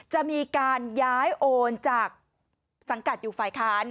จะมีการย้ายโอนจากสังกัดอยู่ฝ่ายค้าน